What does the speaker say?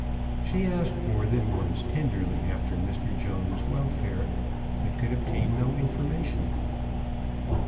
She asked more than once tenderly after Mr. Jones's welfare, but could obtain no informa tion.